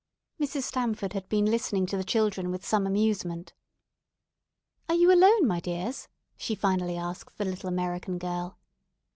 Mrs. Stamford had been listening to the children with some amusement. "Are you alone, my dears?" she finally asked the little American girl.